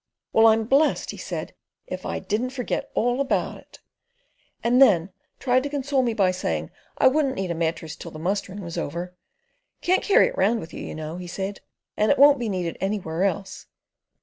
"Well, I'm blest!" he said, "if I didn't forget all about it," and then tried to console me by saying I wouldn't need a mattress till the mustering was over. "Can't carry it round with you, you know," he said, "and it won't be needed anywhere else."